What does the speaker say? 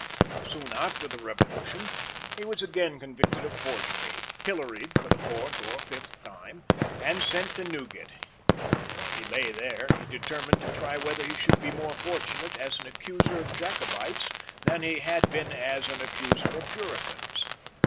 Soon after the Revolution he was again convicted of forgery, pilloried for the fourth or fifth time, and sent to Newgate. While he lay there, he determined to try whether he should be more fortunate as an accuser of Jacobites than he had been as an accuser of Puritans.